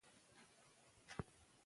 پښتو ژبه زموږ ملي ویاړ دی.